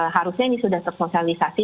harusnya ini sudah tersosialisasi